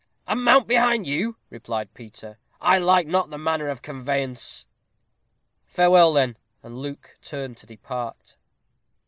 "And mount behind you?" replied Peter; "I like not the manner of conveyance." "Farewell, then." And Luke turned to depart.